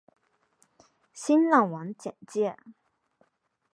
新浪网简介